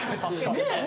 ねえ？